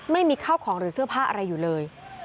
ไม่มีข้าวของหรือเสื้อผ้าอะไรอยู่เลย